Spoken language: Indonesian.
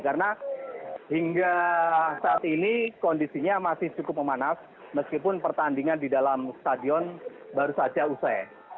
karena hingga saat ini kondisinya masih cukup memanas meskipun pertandingan di dalam stadion baru saja usai